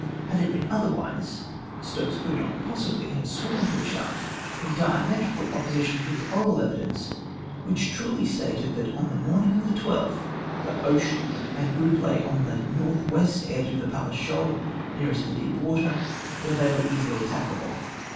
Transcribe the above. Had it been otherwise, Stokes could not possibly have 32 LMAGIXARY SHOAL OX THE CHART. sworn to a chart in diametrical op]:)Osition to his oral evidence, Avhich truly stated that on the morning of the 12th, the Ocean and group lay on •' the north west edge of the Palles shoal, nearest the deep water,'' where they were easily attackable.